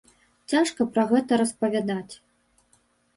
Цяжка пра гэта распавядаць.